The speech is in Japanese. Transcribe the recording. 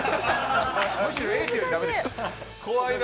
むしろエイトより駄目でしたね。